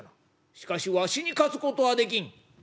しかしわしに勝つことはできん」。